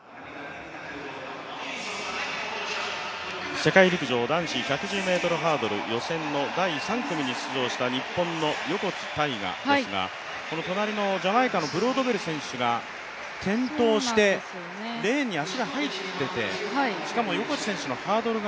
世界陸上男子１１０ｍハードル予選の第３組に出場した日本の横地大雅ですが隣のジャマイカのブロードベル選手が転倒してレーンに足が入っていてしかも横地選手のハードルが。